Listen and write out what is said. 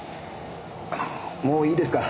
あのもういいですか？